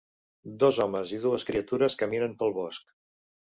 Dos homes i dues criatures caminen pel bosc.